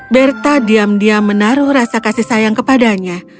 berta diam diam menaruh rasa kasih sayang kepadanya